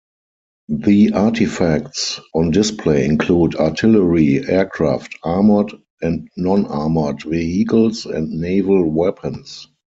The artifacts on display include artillery, aircraft, armoured and non-armoured vehicles, and naval weapons.